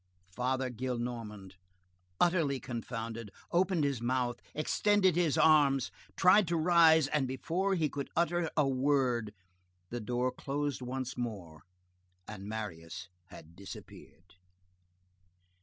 Father Gillenormand, utterly confounded, opened his mouth, extended his arms, tried to rise, and before he could utter a word, the door closed once more, and Marius had disappeared.